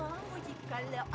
aku udah mau milih kamu